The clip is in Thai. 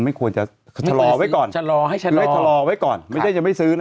ไม่ควรจะชะลอไว้ก่อนชะลอให้ชะลอไม่ชะลอไว้ก่อนไม่ใช่จะไม่ซื้อนะ